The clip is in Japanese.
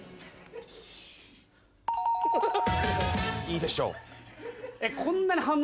いいでしょう。